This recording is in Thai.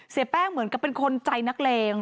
เสียแป้งเหมือนกับเป็นคนใจนักเลง